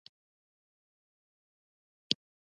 زه هېڅکله هم د غني تقوی د نقد وړ نه بولم.